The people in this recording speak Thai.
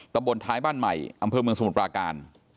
บนท้ายบ้านใหม่อำเภอเมืองสมุทรปราการ